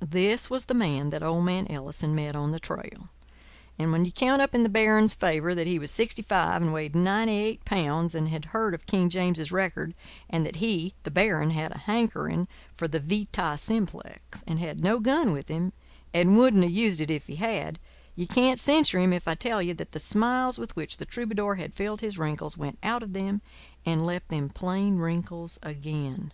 This was the man that old man Ellison met on the trail; and when you count up in the baron's favour that he was sixty five and weighed ninety eight pounds and had heard of King James's record and that he (the baron) had a hankering for the vita simplex and had no gun with him and wouldn't have used it if he had, you can't censure him if I tell you that the smiles with which the troubadour had filled his wrinkles went out of them and left them plain wrinkles again.